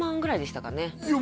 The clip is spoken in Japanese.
いや